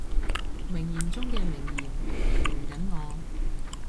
名言中嘅名言，形容緊我